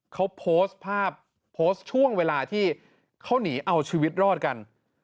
เขาโพสต์ภาพโพสต์ช่วงเวลาที่เขาหนีเอาชีวิตรอดกัน